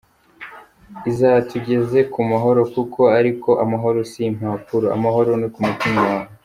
izatugeze ku mahoro koko, ariko amahoro si impapuro, amahoro ni ku mutima wawe.